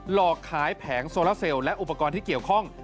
หลอกขายแผงโซลาเซลและอุปกรณ์ที่เกี่ยวข้อง